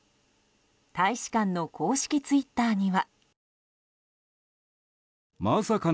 大使館の公式ツイッターには。